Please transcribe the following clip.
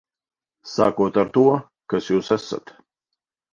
Sākot ar to, kas jūs esat.